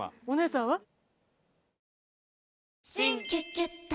お姉さんは？